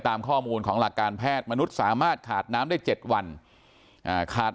ตามข้อมูลของหลักการแพทย์มนุษย์สามารถขาดน้ำได้๗วันขาด